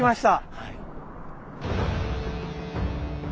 はい。